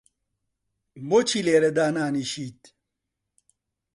بۆچی لێرە دانانیشیت؟